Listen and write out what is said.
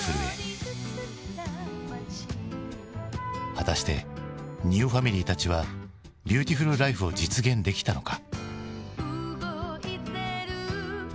果たしてニューファミリーたちはビューティフルライフを実現できたのか？